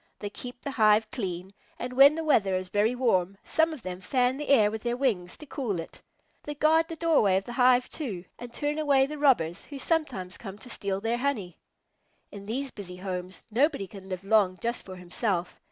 They keep the hive clean, and when the weather is very warm, some of them fan the air with their wings to cool it. They guard the doorway of the hive, too, and turn away the robbers who sometimes come to steal their honey. In these busy homes, nobody can live long just for himself.